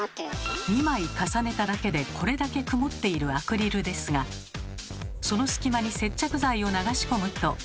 ２枚重ねただけでこれだけ曇っているアクリルですがその隙間に接着剤を流し込むと。